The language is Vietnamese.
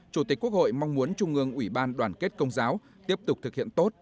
chủ tịch quốc hội mong muốn trung ương ủy ban đoàn kết công giáo tiếp tục thực hiện tốt